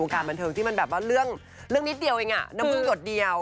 การบรรเทิงที่มันแบบว่าเรื่องนิดเดียวเองแล้วมันก็งดเดียว